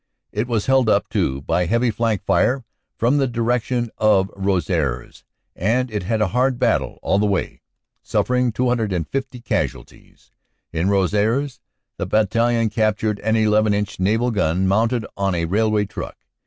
It was held up too by heavy flank fire from the direction of Rosieres, and had a hard battle all the way, suffering 250 casualties. In Rosieres the battalion captured an 11 inch naval gun mounted on a railway truck.